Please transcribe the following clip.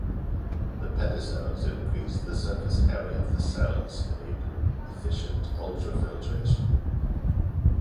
The pedicels increase the surface area of the cells enabling efficient ultrafiltration.